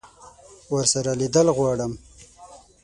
ورسره لیدل غواړم.